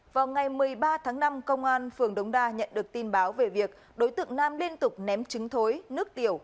vào ngày một mươi ba tháng năm công an phường đống đa nhận được tin báo về việc đối tượng nam liên tục ném trứng thối nước tiểu